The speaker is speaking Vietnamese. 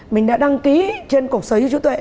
mình đã đăng ký trên cuộc sở hữu chủ tuệ